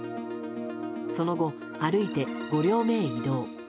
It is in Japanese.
その後、歩いて５両目へ移動。